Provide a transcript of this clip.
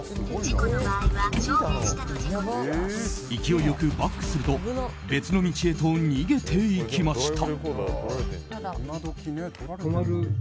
勢いよくバックすると別の道へと逃げていきました。